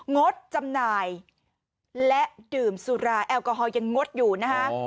งดจำหน่ายและดื่มสุราแอลกอฮอลยังงดอยู่นะคะ